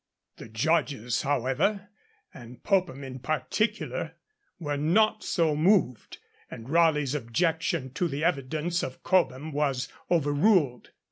The judges, however, and Popham in particular, were not so moved, and Raleigh's objection to the evidence of Cobham was overruled.